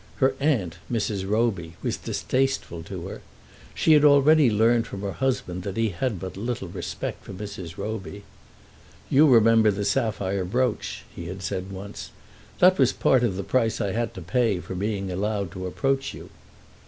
Her aunt, Mrs. Roby, was distasteful to her. She had already learned from her husband that he had but little respect for Mrs. Roby. "You remember the sapphire brooch," he had said once. "That was part of the price I had to pay for being allowed to approach you."